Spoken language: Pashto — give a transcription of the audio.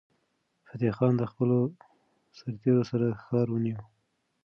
فتح خان د خپلو سرتیرو سره ښار ونیو.